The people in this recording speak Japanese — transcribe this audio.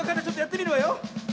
ちょっとやってみるわよ。